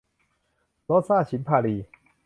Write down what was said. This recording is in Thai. โรสชา ฉิมพาลี